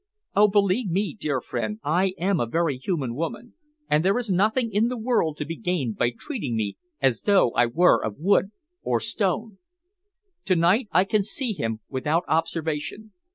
Oh! believe me, dear friend, I am a very human woman, and there is nothing in the world to be gained by treating me as though I were of wood or stone. To night I can see him without observation.